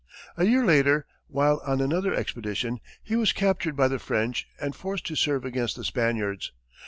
A year later, while on another expedition, he was captured by the French and forced to serve against the Spaniards.